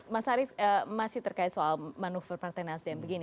mas arief masih terkait soal manuver partai nasdem begini